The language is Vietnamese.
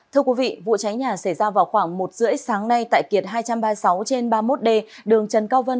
thưa quý vị vụ cháy nhà xảy ra vào khoảng một h ba mươi sáng nay tại kiệt hai trăm ba mươi sáu trên ba mươi một d đường trần cao vân